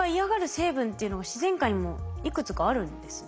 成分っていうのが自然界にもいくつかあるんですね。